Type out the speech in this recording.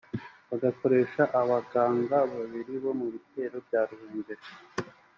Bagakoresha abaganga babiri bo mu bitaro bya Ruhengeli